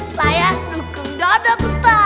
saya dukung doang dok ustadz